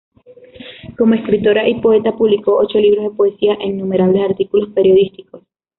Como escritora y poeta, publicó ocho libros de poesía e innumerables artículos periodísticos.